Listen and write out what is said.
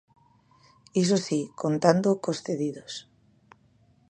Iso si, contando cos cedidos.